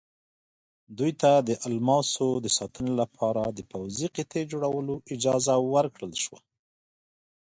دوی ته د الماسو د ساتنې لپاره د پوځي قطعې جوړولو اجازه ورکړل شوه.